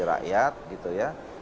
rakyat gitu ya